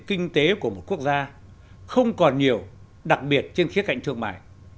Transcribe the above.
kinh tế của một quốc gia không còn nhiều đặc biệt trên khía cạnh thương mại